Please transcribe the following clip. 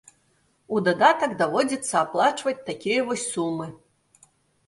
У дадатак даводзіцца аплачваць такія вось сумы.